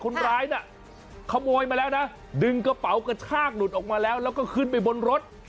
คนร้ายน่ะขโมยมาแล้วนะดึงกระเป๋ากระชากหลุดออกมาแล้วแล้วก็ขึ้นไปบนรถ